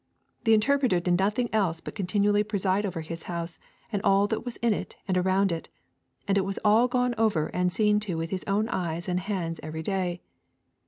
The Interpreter did nothing else but continually preside over his house and all that was in it and around it, and it was all gone over and seen to with his own eyes and hands every day.